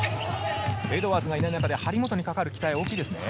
エドワーズがいない中で張本にかかる期待は大きいですね。